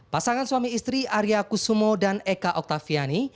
pasangan suami istri arya kusumo dan eka oktaviani